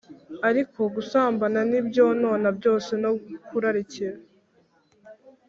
Ariko gusambana n ibyonona byose no kurarikira